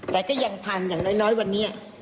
แต่ก็ยังทันอย่างน้อยวันนี้